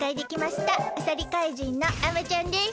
あさり怪人のあまちゃんです。